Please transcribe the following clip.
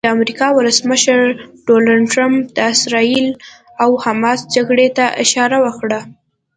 د امریکا ولسمشر ډونالډ ټرمپ د اسراییل او حماس جګړې ته اشاره وکړه.